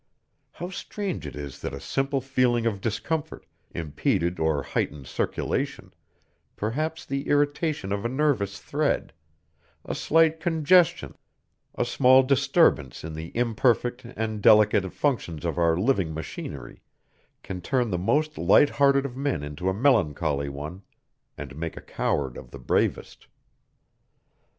How strange it is that a simple feeling of discomfort, impeded or heightened circulation, perhaps the irritation of a nervous thread, a slight congestion, a small disturbance in the imperfect and delicate functions of our living machinery, can turn the most lighthearted of men into a melancholy one, and make a coward of the bravest!